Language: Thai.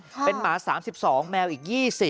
เป็นหมา๓๒แมวอีก๒๐